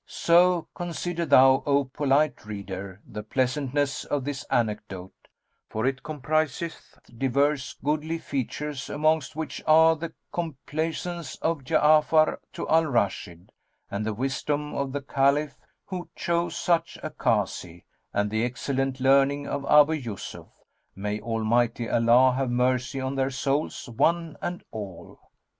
So consider thou, O polite reader,[FN#217] the pleasantness of this anecdote, for it compriseth divers goodly features, amongst which are the complaisance of Ja'afar to Al Rashid, and the wisdom of the Caliph who chose such a Kazi and the excellent learning of Abu Yusuf, may Almighty Allah have mercy on their souls one and all!